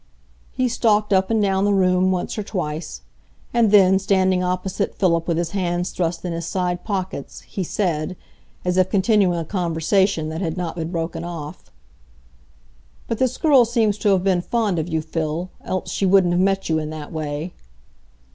He stalked up and down the room once or twice, and then, standing opposite Philip with his hands thrust in his side pockets, he said, as if continuing a conversation that had not been broken off,— "But this girl seems to have been fond of you, Phil, else she wouldn't have met you in that way."